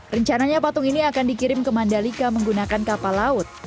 rencananya patung ini akan dikirim ke mandalika menggunakan kapal laut